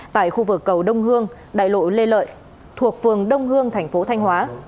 tại khu vực cầu đông hương đại lộ lê lợi thuộc phường đông hương thành phố thanh hóa